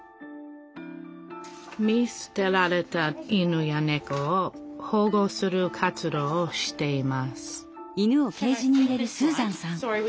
見すてられた犬やねこを保護する活動をしています